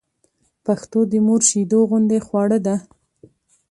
پښتو د مور شېدو غوندې خواړه ده